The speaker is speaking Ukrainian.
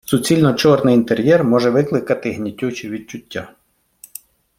Суцільно чорний інтер'єр може викликати гнітючі відчуття.